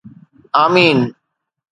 آمين